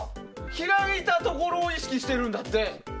開いたところを意識してるんだって。